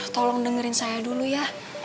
tolong dengerin saya dulu ya